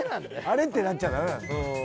あれ？ってなっちゃ駄目。